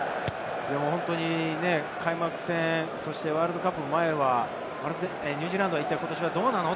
本当に開幕戦、そしてワールドカップ前はニュージーランドはどうなの？